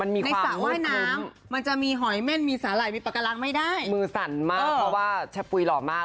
มือสั่นมากเพราะว่าแช่ปุ๊ยหล่อมาก